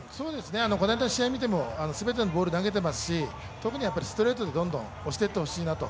この間の試合見ても全てのボール投げてますし特にストレートでどんどん押していってほしいなと。